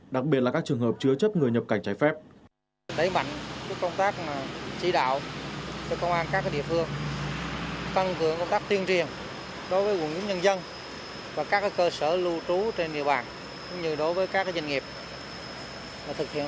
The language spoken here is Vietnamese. đặc biệt là các trường hợp chứa chấp người nhập cảnh trái phép